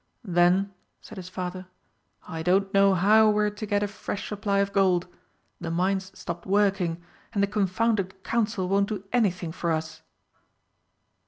"Then," said his father, "I don't know how we're to get a fresh supply of gold the mine's stopped working, and the confounded Council won't do anything for us."